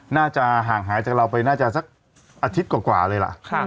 น่าจะห่างหายจากเราไปน่าจะสักอาทิตย์กว่าเลยล่ะ